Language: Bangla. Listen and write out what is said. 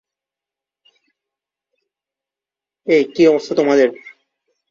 তার কর্মজীবনে তিনি টনি পুরস্কার, এমি পুরস্কার ও গ্র্যামি পুরস্কার অর্জন করেছেন।